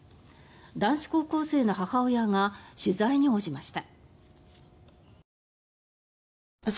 男子高校生の母親が取材に応じました。